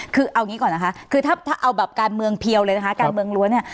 คือเอางี้ก่อนนะคะคือถ้าเอาแบบการเมืองเพียวเลยนะคะการเมืองล้วนเนี่ย